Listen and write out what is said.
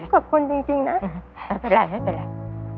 ขอบคุณจริงนะไม่เป็นไรไม่เป็นไร